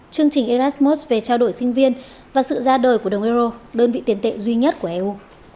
chương trình erasmus về trao đổi sinh viên và sự ra đời của đồng euro đơn vị tiền tệ duy nhất của eu